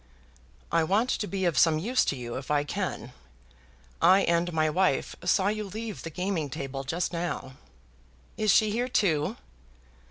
"I want to be of some use to you, if I can. I and my wife saw you leave the gaming table just now." "Is she here too?"